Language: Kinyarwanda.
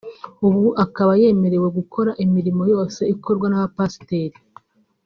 ubu akaba yemerewe gukora imirimo yose ikorwa n’abapasiteri